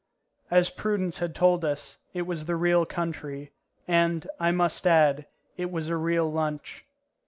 As Prudence had told us, it was the real country, and, I must add, it was a real lunch.